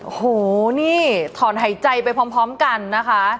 โอ้โหนี่ถอนหายใจไปพร้อมกันนะคะ